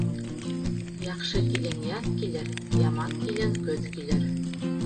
Яҡшы килен яҙ килер, яман килен көҙ килер.